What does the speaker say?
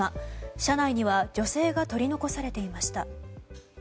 車内には女性が取り残されていました。